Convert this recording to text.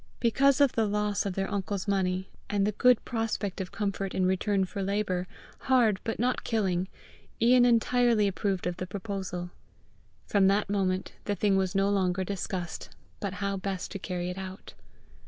Because of the loss of their uncle's money, and the good prospect of comfort in return for labour, hard but not killing, Ian entirely approved of the proposal. From that moment the thing was no longer discussed, but how best to carry it out.